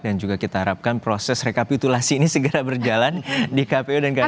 dan juga kita harapkan proses rekapitulasi ini segera berjalan di kpu dan kpdk